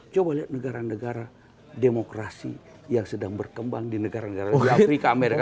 coba lihat negara negara demokrasi yang sedang berkembang di negara negara afrika